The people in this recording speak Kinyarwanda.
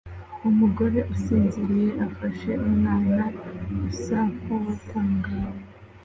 Umugore usinziriye ufashe umwana usa nkuwatangaye